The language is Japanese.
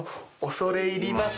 恐れ入ります。